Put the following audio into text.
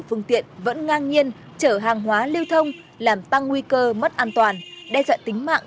phương tiện vẫn ngang nhiên chở hàng hóa lưu thông làm tăng nguy cơ mất an toàn đe dọa tính mạng